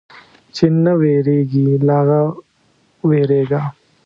چې نه وېرېږي، له هغه وېرېږه.